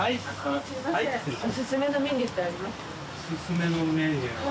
おすすめのメニューは。